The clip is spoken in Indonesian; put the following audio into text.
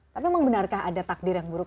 tapi memang benarkah ada takdir yang buruk